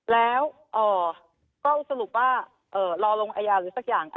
แล้วก็สรุปว่ารอลงอายาหรือสักอย่าง